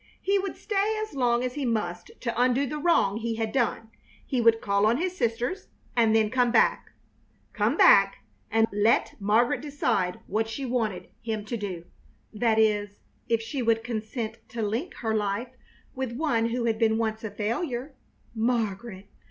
He would stay as long as he must to undo the wrong he had done. He would call on his sisters and then come back; come back and let Margaret decide what she wanted him to do that is, if she would consent to link her life with one who had been once a failure. Margaret!